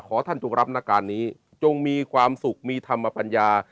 ท่านจงรับนักการนี้จงมีความสุขมีธรรมปัญญา